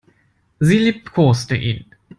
Sie liebkoste ihn.